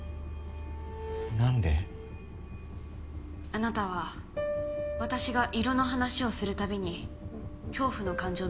あなたは私が色の話をするたびに「恐怖」の感情を見せていた。